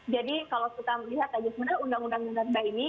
jadi kalau kita melihat sebenarnya undang undang minerba ini